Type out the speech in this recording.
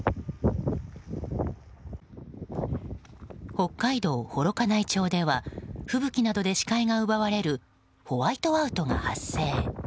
北海道幌加内町では吹雪などで視界が奪われるホワイトアウトが発生。